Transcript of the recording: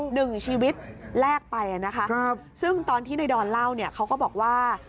หนึ่งชีวิตแลกไปอ่ะนะคะครับซึ่งตอนที่ในดอนเล่าเนี่ยเขาก็บอกว่า